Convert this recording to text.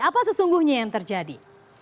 apa sesungguhnya yang terjadi